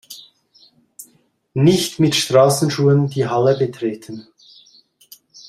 Nicht mit Straßenschuhen die Halle betreten!